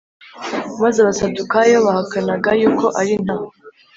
Maze Abasadukayo bahakanaga yuko ari nta